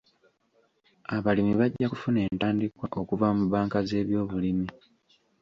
Abalimi bajja kufuna entandikwa okuva mu bbanka z'ebyobulimi.